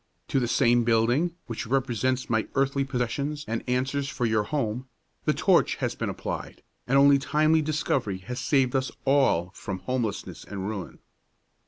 To the same building, which represents my earthly possessions and answers for your home, the torch has been applied, and only a timely discovery has saved us all from homelessness and ruin."